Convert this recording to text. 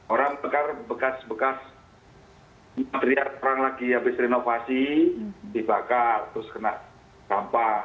orang mekar bekas bekas material perang lagi habis renovasi dibakar terus kena sampah